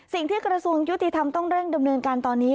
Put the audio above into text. กระทรวงยุติธรรมต้องเร่งดำเนินการตอนนี้